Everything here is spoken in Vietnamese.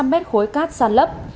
hai trăm linh m khối cát sàn lấp